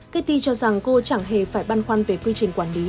cathy cho rằng cô chẳng hề phải băn khoăn về quy trình quản lý